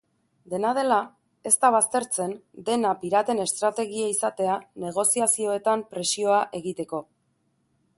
Dena dela, ez da baztertzen dena piraten estrategia izatea negoziazioetan presioa egiteko.